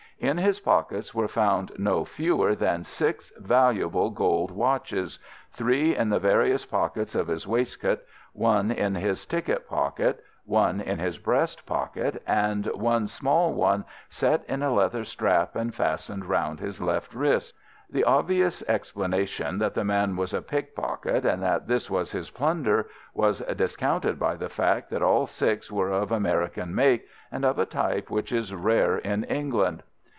In his pockets were found no fewer than six valuable gold watches, three in the various pockets of his waistcoat, one in his ticket pocket, one in his breast pocket, and one small one set in a leather strap and fastened round his left wrist. The obvious explanation that the man was a pickpocket, and that this was his plunder, was discounted by the fact that all six were of American make, and of a type which is rare in England.